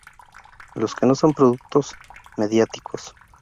los que no son productos mediáticos